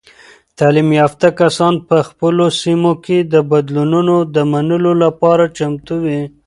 تعلیم یافته کسان په خپلو سیمو کې د بدلونونو د منلو لپاره چمتو وي.